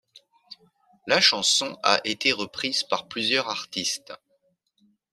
La chanson a été reprise par plusieurs artistes.